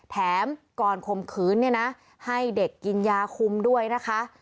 แถมก่อนข่มขืนเนี่ยนะให้เด็กกินยาคุมด้วยนะคะ